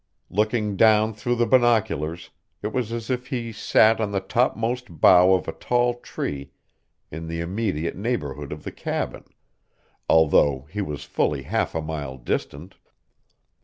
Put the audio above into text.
Looking down through the binoculars it was as if he sat on the topmost bough of a tall tree in the immediate neighborhood of the cabin, although he was fully half a mile distant.